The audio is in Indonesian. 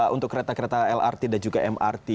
untuk kereta kereta lrt dan juga mrt